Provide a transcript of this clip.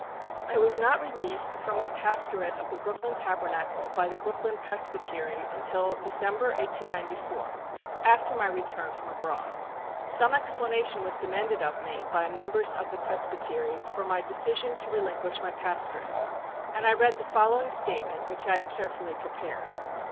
I was not released from my pastorate of the Brooklyn Tabernacle by the Brooklyn Presbytery until December, 1894, after my return from abroad. Some explanation was demanded of me by members of the Presbytery for my decision to relinquish my pastorate, and I read the following statement which I had carefully prepared.